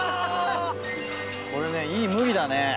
これねいい麦だね。